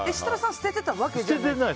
捨ててたわけじゃない？